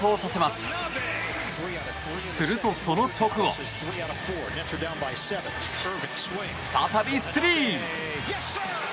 すると、その直後再びスリー！